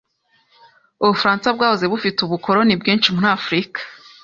Ubufaransa bwahoze bufite ubukoloni bwinshi muri Afrika.